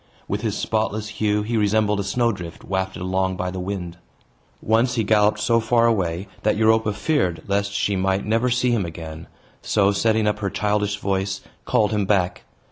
With his spotless hue, he resembled a snow drift, wafted along by the wind. Once he galloped so far away that Europa feared lest she might never see him again; so, setting up her childish voice, called him back.